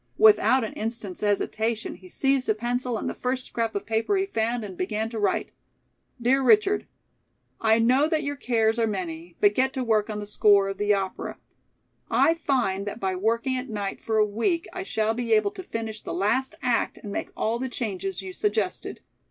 Without an instant's hesitation, he seized a pencil and the first scrap of paper he found and began to write: "Dear Richard: "I know that your cares are many, but get to work on the score of the opera. I find that by working at night for a week I shall be able to finish the last act and make all the changes you suggested.